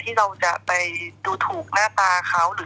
ที่เราจะไปดูถูกหน้าตาเขาหรืออะไรเลย